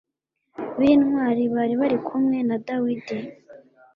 b intwari bari bari kumwe na Dawidi